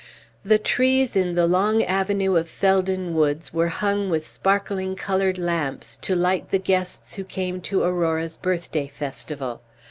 The trees in the long avenue of Felden Woods were hung with sparkling colored lamps, to light the guests who came to Aurora's birthday festival.